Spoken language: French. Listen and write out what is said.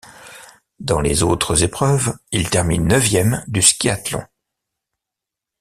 Dans les autres épreuves, il termine neuvième du skiathlon.